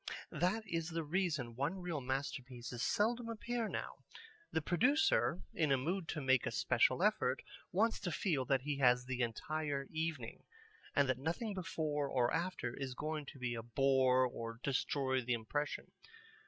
That is the reason one reel masterpieces seldom appear now. The producer in a mood to make a special effort wants to feel that he has the entire evening, and that nothing before or after is going to be a bore or destroy the impression.